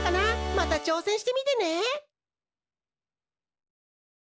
またちょうせんしてみてね！